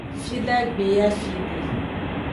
Fidagbe yi afi di.